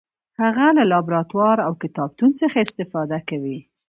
هغه له لابراتوار او کتابتون څخه استفاده کوي.